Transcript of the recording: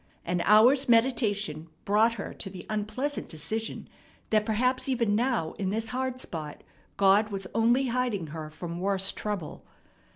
An hour's meditation brought her to the unpleasant decision that perhaps even now in this hard spot God was only hiding her from worse trouble.